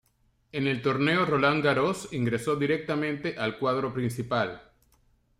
En el Torneo de Roland Garros ingresó directamente al cuadro principal.